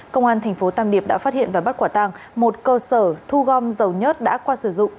công an tp tam điệp đã phát hiện và bắt quả tàng một cơ sở thu gom dầu nhất đã qua sử dụng